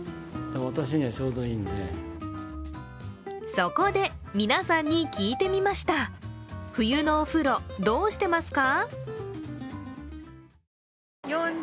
そこで、皆さんに聞いてみました冬のお風呂、どうしてますか？